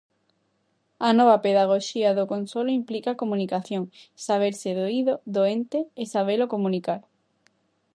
A nova pedagoxía do consolo implica comunicación: saberse doído, doente, e sabelo comunicar.